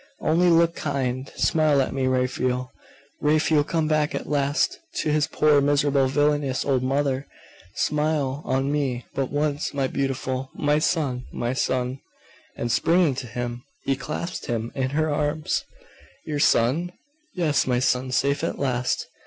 Only look kind! Smile at me, Raphael! Raphael come back at last to his poor, miserable, villainous old mother! Smile on me but once, my beautiful, my son! my son!' And springing to him, she clasped him in her arms. 'Your son?' 'Yes, my son! Safe at last!